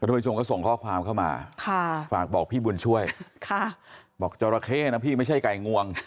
ผู้ชมก็ส่งข้อความเข้ามาค่ะฝากบอกพี่บุญช่วยค่ะบอกจราเข้นะพี่ไม่ใช่ไก่งวง